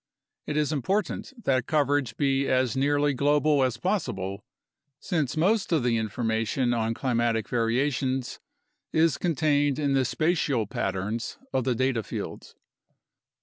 It is important that coverage be as nearly global as possible, since most of the information on climatic variations is contained in the spatial patterns of the data fields.